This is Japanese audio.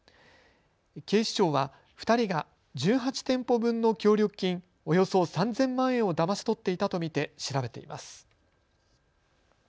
警視庁は２人が１８店舗分の協力金およそ３０００万円をだまし取っていたと見て調べています。